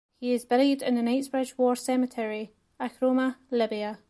He is buried in the Knightsbridge War Cemetery, Acroma, Libya.